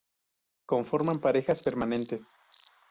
Conforman parejas permanentes.